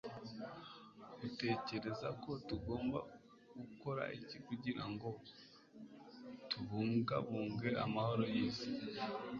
utekereza ko tugomba gukora iki kugirango tubungabunge amahoro yisi? nkiri muto, papa yakundaga kumbwira ibya pavilion ya zahabu. (scott